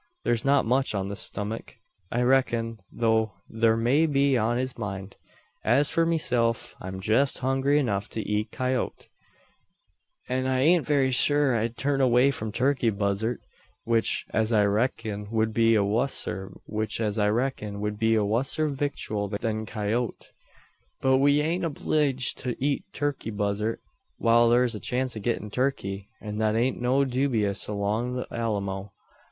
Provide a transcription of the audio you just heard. Thur's not much on his stummuk, I reck'n, though thur may be on his mind. As for meself, I'm jest hungry enough to eat coyoat; an I ain't very sure I'd turn away from turkey buzzart; which, as I reck'n, wud be a wusser victual than coyoat. But we ain't obleeged to eet turkey buzzart, whar thur's a chance o' gettin' turkey; an thet ain't so dewbious along the Alamo.